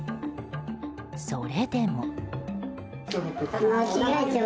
それでも。